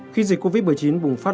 khi dịch covid một mươi chín bùng phát